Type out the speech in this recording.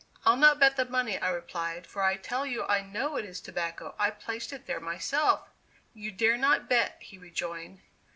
"I'll not bet the money," I replied, "for I tell you I know it is tobacco; I placed it there myself." "You dare not bet!" he rejoined.